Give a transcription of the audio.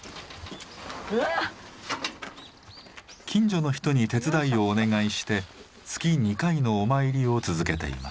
近所の人に手伝いをお願いして月２回のお参りを続けています。